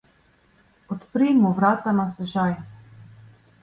Odpri mu vrata na stežaj!